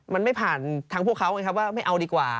มันไม่ผ่านทางพวกเขาไงครับว่าไม่เอาดีกว่า